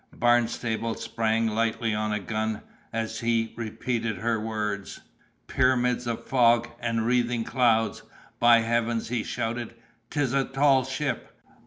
Barnstable sprang lightly on a gun, as he repeated her words— "Pyramids of fog! and wreathing clouds! By Heaven!" he shouted, "'tis a tall ship!